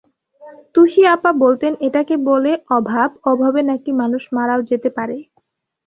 তুশি আপা বলতেন, এটাকে বলে অভাব, অভাবে নাকি মানুষ মারাও যেতে পারে।